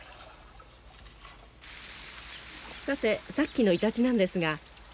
さてさっきのイタチなんですが。